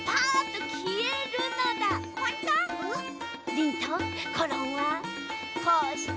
リンとコロンはこうして。